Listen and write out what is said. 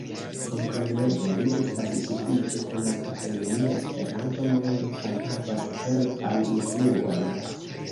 Kompreneble, li estas sufiĉe konata en nia Esperanto-mondo kaj havas certan influon.